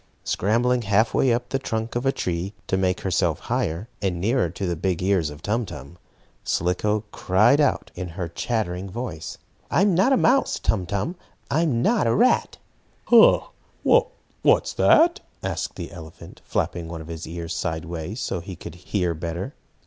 Scrambling half way up the trunk of a tree, to make herself higher, and nearer to the big ears of Tum Tum, Slicko cried out in her chattering voice: "I'm not a mouse, Tum Tum! I'm not a rat!" "Ha! What's that?" asked the elephant, flapping one of his ears sideways, so he could hear better.